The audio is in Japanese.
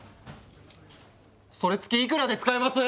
それ月いくらで使えます？